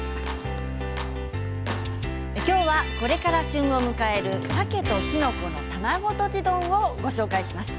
今日はこれから旬を迎えるさけときのこの卵とじ丼を紹介します。